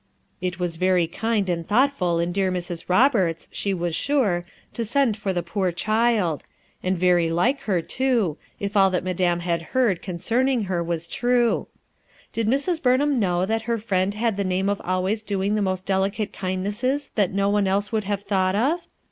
It was very kind and thoughtful in dear Mrs. Roberts, she was sure, to send for the poor child ; and very like her too, if all that the Madame had heard con cerning her was true. Did Mrs, Burnham know that her friend had the name of always doing the most delicate kindnesses that no one else would have thought of?